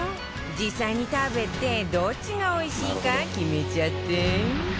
実際に食べてどっちがおいしいか決めちゃって